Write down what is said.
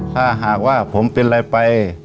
ถ้าหากว่าผมเป็นอะไรไป